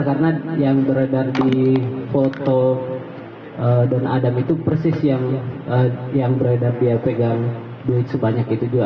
karena yang beredar di foto don adam itu persis yang beredar dia pegang duit sebanyak itu juga